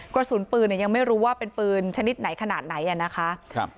กระสุนปืนเนี่ยยังไม่รู้ว่าเป็นปืนชนิดไหนขนาดไหนอ่ะนะคะ